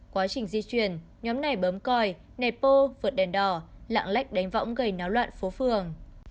quá trình di chuyển nhóm này bấm còi nẹp bô vượt đèn đỏ lạng lách đánh võng gây náo loạn phố phường